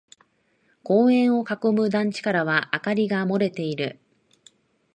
公園を囲む団地からは明かりが漏れている。